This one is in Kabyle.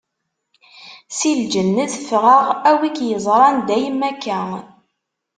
Si lǧennet ffɣeɣ, a wi k-yeẓran dayem akka!